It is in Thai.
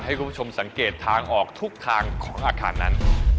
ให้คุณผู้ชมสังเกตทางออกทุกทางของอาคารนั้น